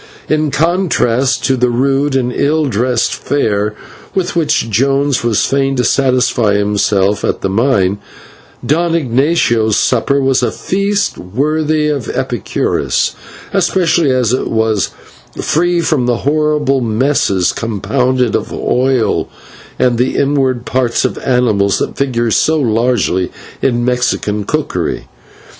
In contrast to the rude and ill dressed fare with which Jones was fain to satisfy himself at the mine, Don Ignatio's supper was a feast worthy of Epicurus, especially as it was free from the horrible messes, compounded of oil and the inward parts of animals, that figure so largely in Mexican cookery.